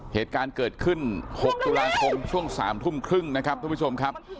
เหตุการณ์เกิดขึ้น๖ตุลาคมช่วง๓ทุ่มครึ่งนะครับทุกผู้ชมครับ